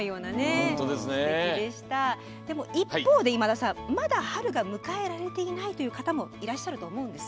でも、一方でまだ春が迎えられていないという方もいらっしゃると思うんです。